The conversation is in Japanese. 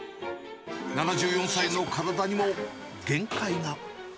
７４歳の体にも限界が。